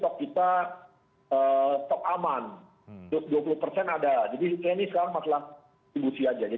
jadi ini sekarang masalah tibusi aja